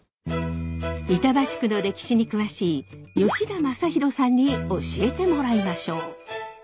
板橋区の歴史に詳しい吉田政博さんに教えてもらいましょう。